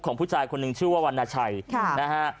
ผู้ชายคนหนึ่งชื่อว่าวรรณชัยนะฮะ